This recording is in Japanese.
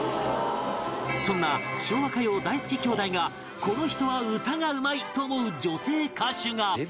そんな昭和歌謡大好き姉弟がこの人は歌がうまい！と思う女性歌手が